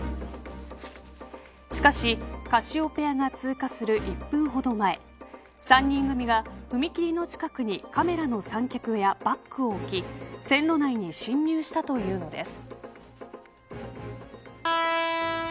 しかし、カシオペアが通過する１分ほど前３人組が踏切の近くにカメラの三脚やバッグを置き線路内に侵入したというのです。